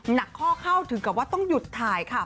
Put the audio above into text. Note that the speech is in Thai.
หนักข้อเข้าถึงกับว่าต้องหยุดถ่ายค่ะ